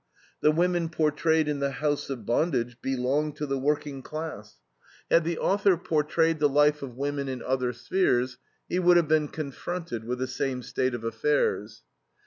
The women portrayed in THE HOUSE OF BONDAGE belong to the working class. Had the author portrayed the life of women in other spheres, he would have been confronted with the same state of affairs.